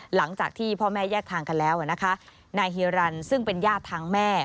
หลังจากที่พ่อแม่แยกทางกันแล้วนะคะนายเฮียรันซึ่งเป็นญาติทางแม่